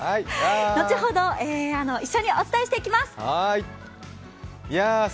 後ほど一緒にお伝えしていきます。